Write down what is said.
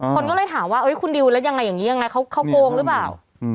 คนก็เลยถามว่าคุณดิวแล้วยังไงอย่างนี้ยังไงเขาโกงหรือเปล่า